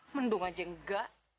mendung aja enggak